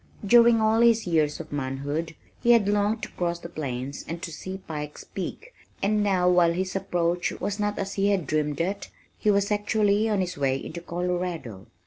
During all his years of manhood he had longed to cross the plains and to see Pike's Peak, and now while his approach was not as he had dreamed it, he was actually on his way into Colorado.